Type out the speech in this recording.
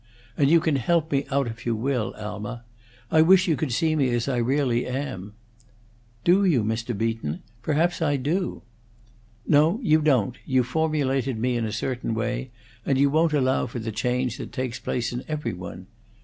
"And you can help me out if you will. Alma, I wish you could see me as I really am." "Do you, Mr. Beacon? Perhaps I do." "No; you don't. You formulated me in a certain way, and you won't allow for the change that takes place in every one.